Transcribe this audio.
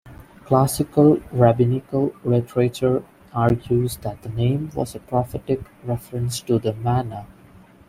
Classical rabbinical literature argues that the name was a prophetic reference to the manna.